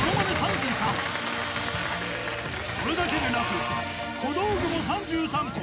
それだけでなく小道具も３３個